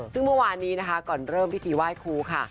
ซึ่งเมื่อวานนี้นะคะก่อนเริ่มพิธีไหว้ครูค่ะ